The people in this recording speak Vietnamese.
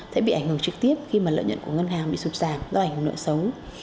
sẽ bị ảnh hưởng trực tiếp khi mà lợi nhận của ngân hàng bị sụt giảm do ảnh hưởng nợ xấu